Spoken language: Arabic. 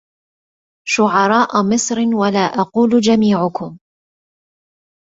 شعراء مصر ولا أقول جميعكم